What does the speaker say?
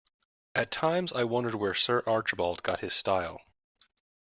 At times I wondered where Sir Archibald got his style.